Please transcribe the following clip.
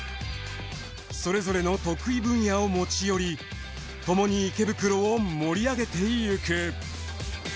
それぞれの得意分野を持ち寄りともに池袋を盛り上げていく。